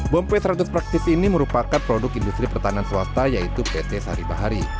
bom p seratus praxis ini merupakan produk industri pertanian swasta yaitu pt sari bahari